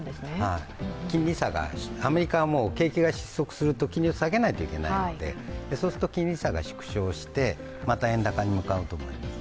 金利差が、アメリカは景気が失速すると金利を下げないといけないのでそうすると金利差が縮小して、また円高に向かうと思います。